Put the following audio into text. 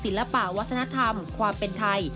ศิลปะวัฒนธรรมความเป็นไทย